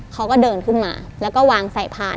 เขาก็เดินขึ้นมาแล้วก็วางใส่พาน